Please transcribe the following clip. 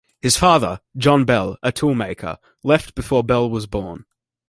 His father, John Bell, a toolmaker, left before Bell was born.